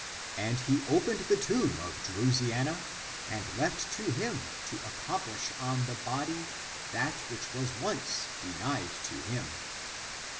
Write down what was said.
And he opened the tomb of Drusiana and left to him to accomplish on the body that which was (once) denied to him.